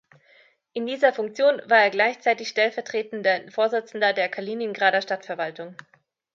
In dieser Funktion war er gleichzeitig stellvertretender Vorsitzender der Kaliningrader Stadtverwaltung.